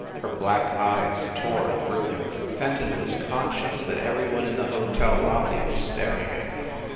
Her black eyes tore through him. Fenton was conscious that every one in the hotel lobby was staring at them.